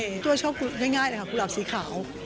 พี่ตัวชอบได้ง่ายคุลาบสีขาว